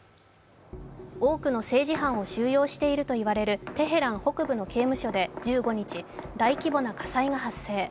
多くの政治犯を収容しているといわれるテヘラン北部の刑務所で１５日大規模な火災が発生。